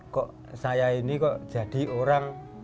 kok saya ini kok jadi orang